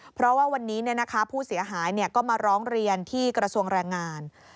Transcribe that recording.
เพราะว่าวันนี้ผู้เสียหายก็มาร้องเรียนที่กระทรวงแรงงาน